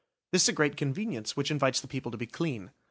This is a great convenience which invites the people to be clean.